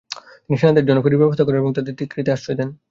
তিনি সেনাদের জন্য ফেরির ব্যবস্থা করেন এবং তাদের তিকরিতে আশ্রয় দেন।